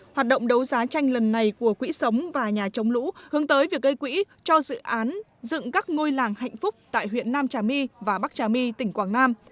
hoạt động đấu giá tranh lần này của quỹ sống và nhà chống lũ hướng tới việc gây quỹ cho dự án dựng các ngôi làng hạnh phúc tại huyện nam trà my và bắc trà my tỉnh quảng nam